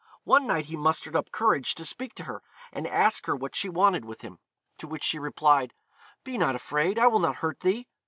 One night he mustered up courage to speak to her, and ask her what she wanted with him. To which she replied, 'Be not afraid; I will not hurt thee.'